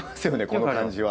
この感じは。